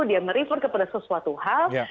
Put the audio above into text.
dia merefer kepada sesuatu hal